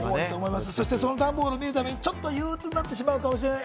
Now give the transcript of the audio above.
その段ボールを見るたびにちょっと憂鬱になってしまうかもしれない。